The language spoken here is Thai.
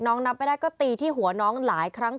นับไม่ได้ก็ตีที่หัวน้องหลายครั้ง